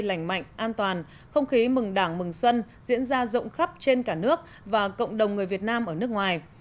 lành mạnh an toàn không khí mừng đảng mừng xuân diễn ra rộng khắp trên cả nước và cộng đồng người việt nam ở nước ngoài